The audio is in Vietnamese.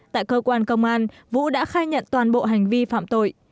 tại cơ quan công an vũ đã khai nhận toàn bộ hành vi phạm tội